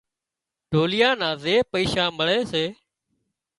ڍوليئا نا زي پئيشا مۯي سي